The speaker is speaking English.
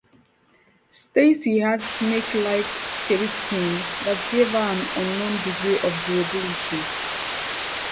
Stacy had snake-like, scaly skin that gave her an unknown degree of durability.